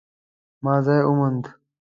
ما ځای وموند